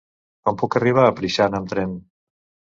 Com puc arribar a Preixana amb tren?